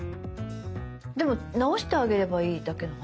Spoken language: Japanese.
でも直してあげればいいだけの話。